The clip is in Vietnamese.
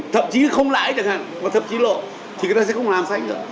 thậm chí không lãi chẳng hạn và thậm chí lộ thì người ta sẽ không làm sách nữa